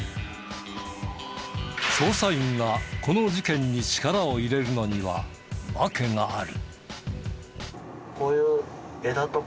捜査員がこの事件に力を入れるのには訳がある。